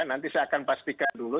nanti saya akan pastikan dulu